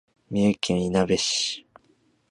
三重県いなべ市